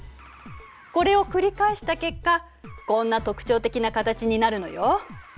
これを繰り返した結果こんな特徴的な形になるのよ。